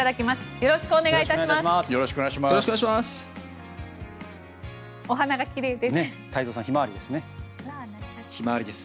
よろしくお願いします。